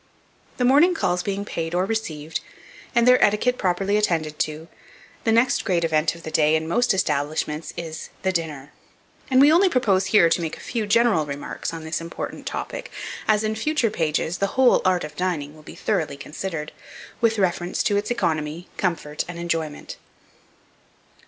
THE MORNING CALLS BEING PAID OR RECEIVED, and their etiquette properly attended to, the next great event of the day in most establishments is "The Dinner;" and we only propose here to make a few general remarks on this important topic, as, in future pages, the whole "Art of Dining" will be thoroughly considered, with reference to its economy, comfort, and enjoyment.